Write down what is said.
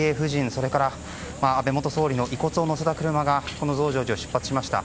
それから安倍元総理の遺骨を乗せた車が増上寺を出発しました。